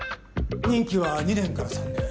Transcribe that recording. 任期は２年から３年。